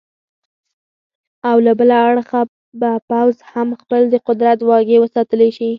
او له بله اړخه به پوځ هم خپل د قدرت واګې وساتلې شي.